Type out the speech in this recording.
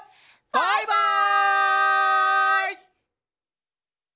バイバイ！